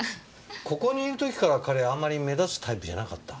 ここにいる時から彼あんまり目立つタイプじゃなかった？